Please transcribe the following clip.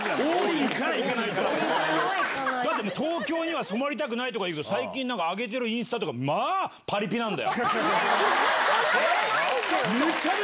東京には染まりたくないとかいうけど、最近なんか、上げてるインスタとか、まあ、パリピなんだよ。